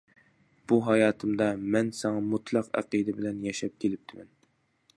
بۇ ھاياتىمدا مەن ساڭا مۇتلەق ئەقىدە بىلەن ياشاپ كېلىپتىمەن.